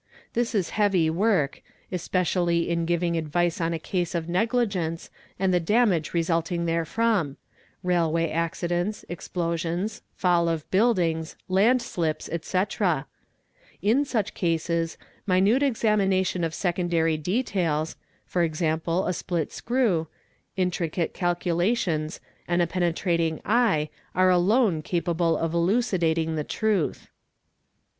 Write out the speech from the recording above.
This is heavy work, especially in giving advice : on a case of negligence and the damage resulting therefrom—railway "accidents, explosions, fall of buildings, landslips, etc. In such cases, ~ minute examination of secondary details (e.g. a split screw),: intricate "calculations, and a penetrating eye are alone capable of elucidating the | truth.